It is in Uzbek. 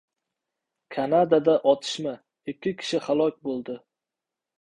Kanadada otishma: ikki kishi halok bo‘ldi